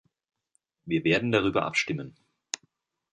Wir werden darüber abstimmen.